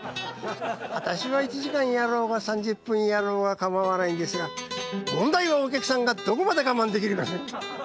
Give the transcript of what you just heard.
私は１時間やろうが３０分やろうが構わないんですが問題はお客さんがどこまで我慢できるか。